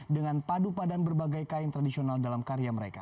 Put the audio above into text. dengan padu padan berbagai kain tradisional dalam karya mereka